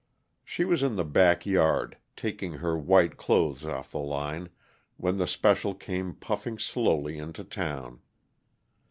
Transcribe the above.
She was in the back yard, taking her "white clothes" off the line, when the special came puffing slowly into town.